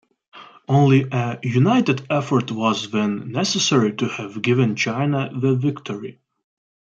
Only a united effort was then necessary to have given China the victory.